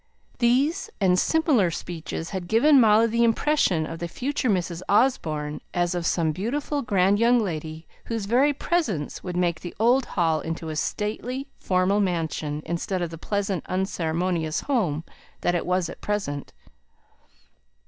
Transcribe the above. These, and similar speeches had given Molly the impression of the future Mrs. Osborne as of some beautiful grand young lady, whose very presence would make the old Hall into a stately, formal mansion, instead of the pleasant, unceremonious home that it was at present.